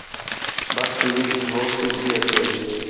بس تی وِِچ ہوسٹس بھی ہتھے